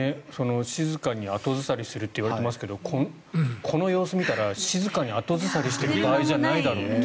静かに後ずさりするといわれていますがこの様子を見たら静かに後ずさりしている場合じゃないだろうと。